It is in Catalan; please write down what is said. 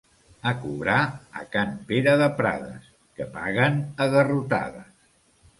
A cobrar a can Pere de Prades, que paguen a garrotades.